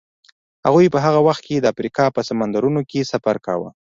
هغوی په هغه وخت کې د افریقا په سمندرونو کې سفر کاوه.